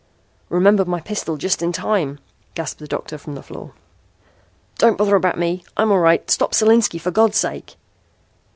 "Remembered my pistol just in time," gasped the doctor from the floor. "Don't bother about me. I'm all right. Stop Solinski, for God's sake."